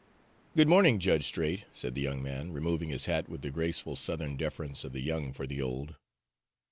"Good morning, Judge Straight," said the young man, removing his hat with the graceful Southern deference of the young for the old.